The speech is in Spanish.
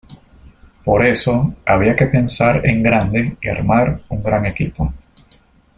Por eso, había que pensar en grande y armar un gran equipo.